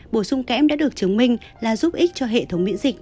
bổ sung kém đã được chứng minh là giúp ích cho hệ thống biễn dịch